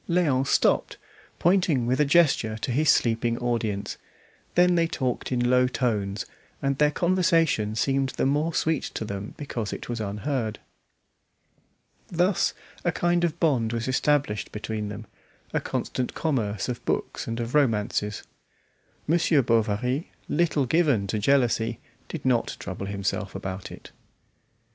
Léon stopped, pointing with a gesture to his sleeping audience; then they talked in low tones, and their conversation seemed the more sweet to them because it was unheard. Thus a kind of bond was established between them, a constant commerce of books and of romances. Monsieur Bovary, little given to jealousy, did not trouble himself about it.